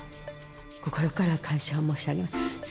心から感謝を申し上げます。